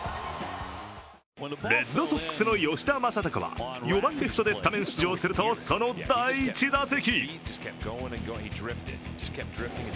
レッドソックスの吉田正尚は４番レフトでスタメン出場するとその第１打席。